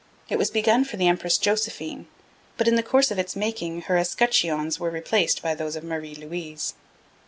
It was begun for the Empress Josephine, but in the course of its making her escutcheons were replaced by those of Marie Louise.